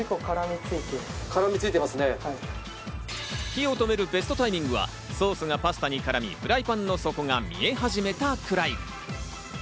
火を止めるベストタイミングはソースがパスタに絡み、フライパンの底が見え始めたくらい。